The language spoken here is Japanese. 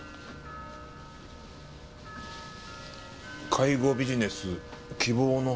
「介護ビジネス希望の星」ですか。